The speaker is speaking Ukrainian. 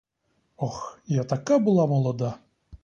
Ох, я така була молода.